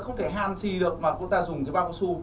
không thể hàn xì được mà chúng ta dùng cái bao cao su